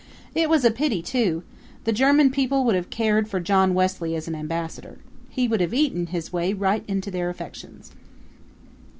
It was a pity, too the German people would have cared for John Wesley as an ambassador. He would have eaten his way right into their affections.